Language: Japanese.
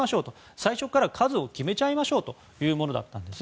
最初から数を決めましょうというものだったんです。